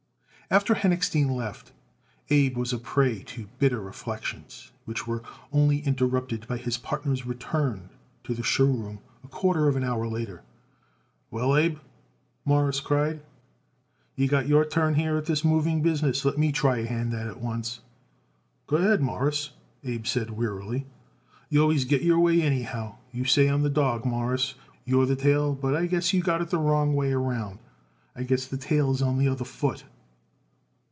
After Henochstein left, Abe was a prey to bitter reflections, which were only interrupted by his partner's return to the show room a quarter of an hour later. "Well, Abe," Morris cried, "you got your turn at this here moving business; let me try a hand at it once." "Go ahead, Mawruss," Abe said wearily. "You always get your own way, anyhow. You say I am the dawg, Mawruss, and you are the tail, but I guess you got it the wrong way round. I guess the tail is on the other foot."